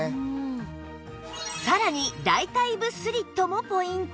さらに大腿部スリットもポイント